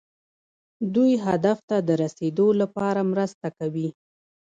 دوی هدف ته د رسیدو لپاره مرسته کوي.